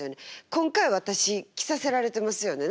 今回私着させられてますよね。